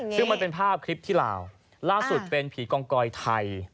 ซึ่งมันเป็นภาพคลิปที่ลาวล่าสุดเป็นผีกองกอยไทย